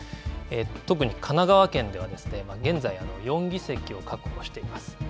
特に神奈川県では、現在、４議席を確保しています。